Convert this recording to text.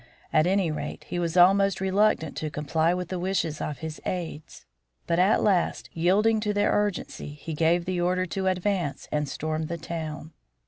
At any rate, he was most reluctant to comply with the wishes of his aids. But at last yielding to their urgency he gave the order to advance and storm the town.